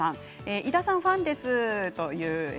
井田さんのファンです。